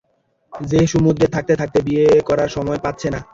যে সমুদ্রে থাকতে থাকতে বিয়ে করার সময় পাচ্ছে না।